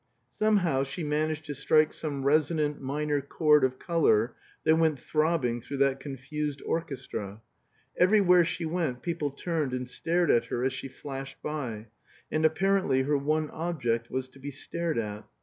Somehow she managed to strike some resonant minor chord of color that went throbbing through that confused orchestra. Everywhere she went people turned and stared at her as she flashed by; and apparently her one object was to be stared at.